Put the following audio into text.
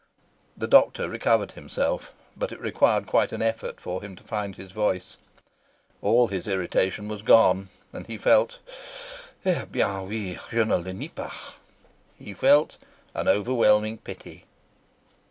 The doctor recovered himself, but it required quite an effort for him to find his voice. All his irritation was gone, and he felt he felt an overwhelming pity.